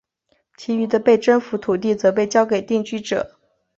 其余的被征服土地则被交给定居者。